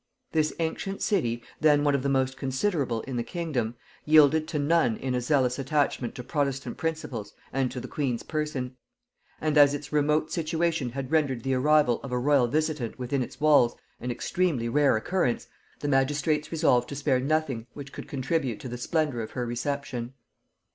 This ancient city, then one of the most considerable in the kingdom, yielded to none in a zealous attachment to protestant principles and to the queen's person; and as its remote situation had rendered the arrival of a royal visitant within its walls an extremely rare occurrence, the magistrates resolved to spare nothing which could contribute to the splendor of her reception.